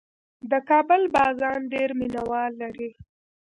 د کابل بازان ډېر مینه وال لري.